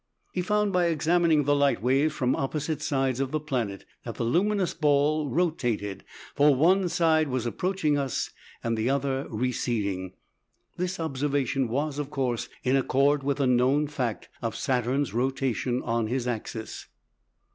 He found by examining the light waves from opposite sides of the planet that the luminous ball rotated; for one side was approaching us and the other receding. This observation was, of course, in accord with the known fact of Saturn's rotation on his axis.